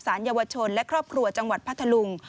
เยาวชนและครอบครัวจังหวัดพัทธลุง